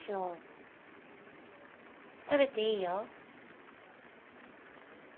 食べていいよ